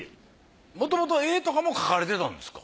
もともと絵とかも描かれてたんですか？